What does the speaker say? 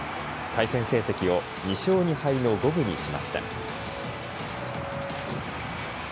対戦成績を２勝２敗の５分にしました。